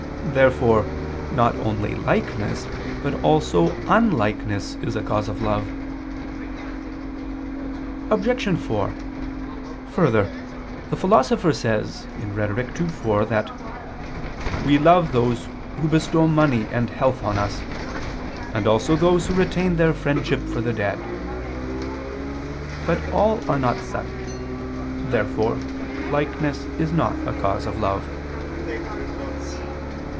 Therefore not only likeness but also unlikeness is a cause of love. Obj. 4: Further, the Philosopher says (Rhet. ii, 4) that "we love those who bestow money and health on us; and also those who retain their friendship for the dead." But all are not such. Therefore likeness is not a cause of love.